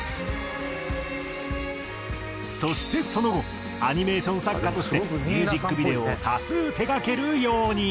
そしてその後アニメーション作家としてミュージックビデオを多数手がけるように。